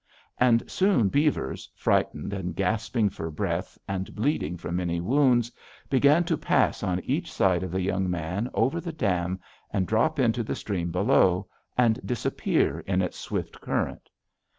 And soon beavers, frightened and gasping for breath, and bleeding from many wounds, began to pass on each side of the young man over the dam, and drop into the stream below and disappear in its swift current.